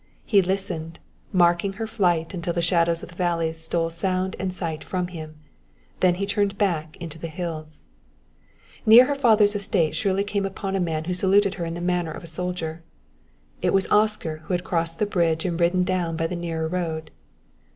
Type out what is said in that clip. He listened, marking her flight until the shadows of the valley stole sound and sight from him; then he turned back into the hills. Near her father's estate Shirley came upon a man who saluted in the manner of a soldier. It was Oscar, who had crossed the bridge and ridden down by the nearer road.